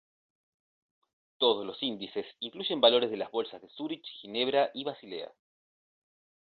Todos los índices incluyen valores de las Bolsas de Zúrich, Ginebra y Basilea.